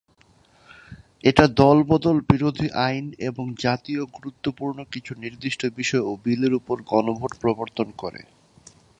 এটা দলবদল-বিরোধী আইন, এবং জাতীয় গুরুত্বপূর্ণ কিছু নির্দিষ্ট বিষয় ও বিলের ওপর গণভোট প্রবর্তন করে।